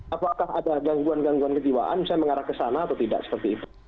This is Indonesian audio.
apakah ada gangguan gangguan kejiwaan misalnya mengarah ke sana atau tidak seperti itu